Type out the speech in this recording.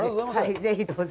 ぜひどうぞ。